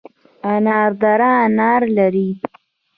انار دره انار لري؟